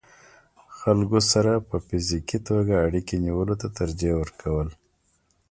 خلکو سره په فزيکي توګه اړيکې نيولو ته ترجيح ورکول